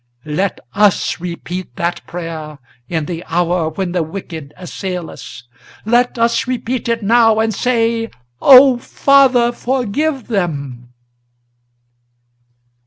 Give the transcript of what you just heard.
Let us repeat that prayer in the hour when the wicked assail us, Let us repeat it now, and say, 'O Father, forgive them!'"